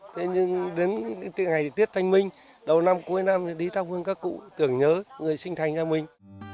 thế nhưng đến ngày tết thanh minh đầu năm cuối năm thì đi thăm hương các cụ tưởng nhớ người sinh thành cho mình